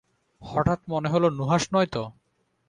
হঠাৎ মনে হল নুহাশ নয়ত?